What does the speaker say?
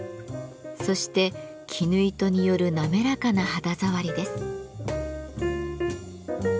そして絹糸による滑らかな肌触りです。